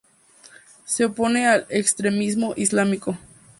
Se opone al extremismo islámico.